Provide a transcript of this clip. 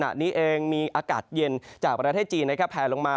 ว่าขณะนี้มีอากาศเย็นจากประเทศจีนแผ่ลงมา